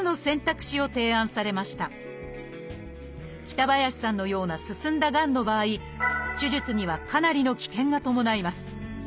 北林さんのような進んだがんの場合手術にはかなりの危険が伴います。